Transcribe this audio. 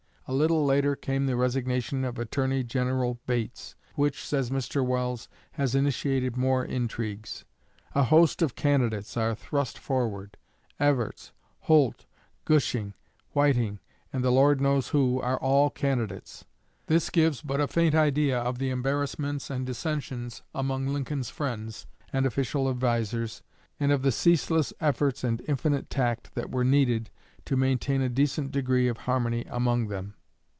A little later came the resignation of Attorney General Bates, which, says Mr. Welles, "has initiated more intrigues. A host of candidates are thrust forward Evarts, Holt, Gushing, Whiting, and the Lord knows who, are all candidates." This gives but a faint idea of the embarrassments and dissensions among Lincoln's friends and official advisers, and of the ceaseless efforts and infinite tact that were needed to maintain a decent degree of harmony among them.